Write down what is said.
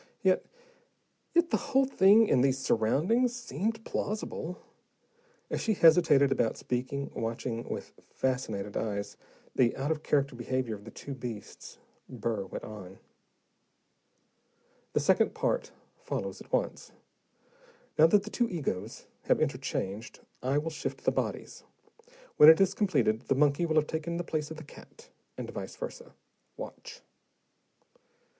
Yet yet the whole thing, in these surroundings, seemed plausible. As she hesitated about speaking, watching with fascinated eyes the out of character behavior of the two beasts, Burr went on. "The second part follows at once. Now that the two egos have interchanged, I will shift the bodies. When it is completed, the monkey will have taken the place of the cat, and vice versa. Watch."